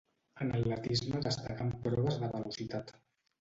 En atletisme destacà en proves de velocitat.